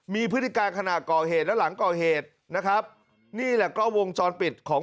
มีพฤติการขณะก่อเหตุและหลังก่อเหตุนะครับนี่แหละกล้องวงจรปิดของ